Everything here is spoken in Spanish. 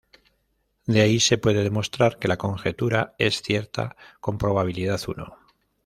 De ahí, se puede demostrar que la conjetura es cierta con probabilidad uno.